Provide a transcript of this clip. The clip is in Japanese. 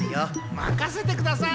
まかせてください。